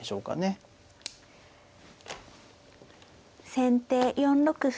先手４六歩。